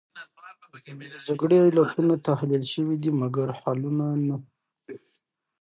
د جګړې علتونه تحلیل شوې دي، مګر حلونه نه.